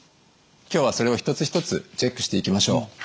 今日はそれを一つ一つチェックしていきましょう。